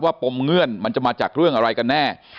ปมเงื่อนมันจะมาจากเรื่องอะไรกันแน่